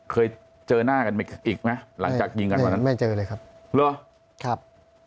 เคยเจอหน้ากันอีกไหมหลังจากยิงกันวันนั้นไม่เจอเลยครับเหรอครับ